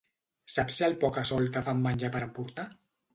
Saps si al Pocasolta fan menjar per emportar?